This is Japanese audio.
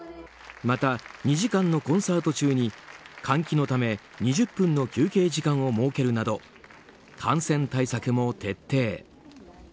また、２時間のコンサート中に換気のため２０分の休憩時間を設けるなど感染対策も徹底。